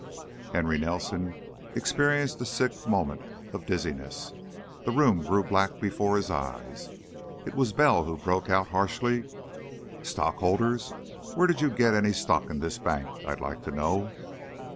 Henry Nelson experienced a sick moment of dizziness; the room grew black before his eyes. It was Bell who broke out, harshly: "Stockholders? Where did you get any stock in this bank, I'd like to know?"